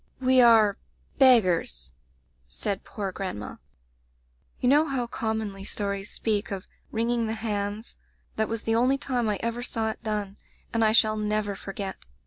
"'We are — beggars,' said poor grandma. "You know how commonly stories speak of 'wringing the hands' — that was the only time I ever saw it done, and I shall never forget.